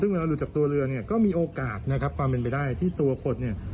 ซึ่งเวลาหลุดจากตัวเรือเนี่ยก็มีโอกาสนะครับความเป็นไปได้ที่ตัวคนเนี่ย